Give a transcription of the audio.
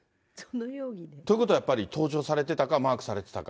ということはやっぱり盗聴されてたか、マークされてたか。